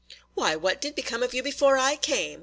"Why, what did become of you before I came?"